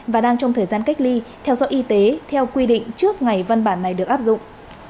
và đang trong thời gian cách ly theo dõi y tế theo quy định trước ngày văn bản này được áp dụng